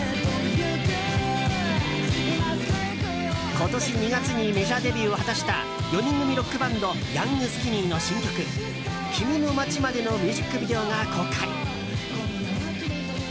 今年２月にメジャーデビューを果たした４人組ロックバンドヤングスキニーの新曲「君の街まで」のミュージックビデオが公開。